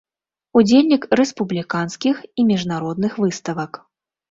Удзельнік рэспубліканскіх і міжнародных выставак.